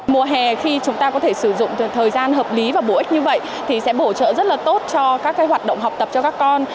mùa hè khi chúng ta có thể sử dụng thời gian hợp lý và bổ ích như vậy thì sẽ bổ trợ rất là tốt cho các hoạt động học tập cho các con